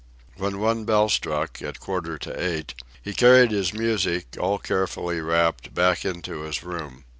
When one bell struck, at quarter to eight, he carried his music, all carefully wrapped, back into his room.